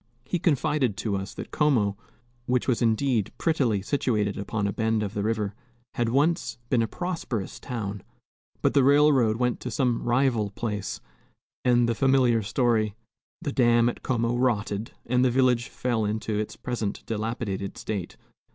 He confided to us that Como which was indeed prettily situated upon a bend of the river had once been a prosperous town. But the railroad went to some rival place, and the familiar story the dam at Como rotted, and the village fell into its present dilapidated state.